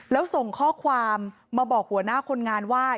แล้วส่งข้อความมาบอกหัวหน้าคนงานว่า